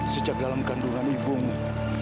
sejak dalam kandungan ibumu